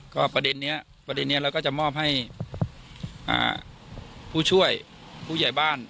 ก็ประเด็นนี้เราก็จะมอบให้ผู้ช่วยผู้ใหญ่บ้าน